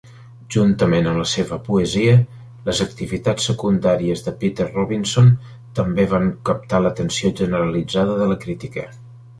Juntament amb la seva poesia, les activitats secundàries de Peter Robinson també van captar l'atenció generalitzada de la crítica.